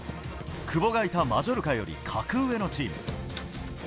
久保がいたマジョルカより格上のチーム。